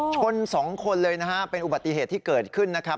ชนสองคนเลยนะฮะเป็นอุบัติเหตุที่เกิดขึ้นนะครับ